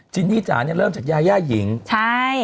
นี่จ๋าเนี่ยเริ่มจากยาย่าหญิงใช่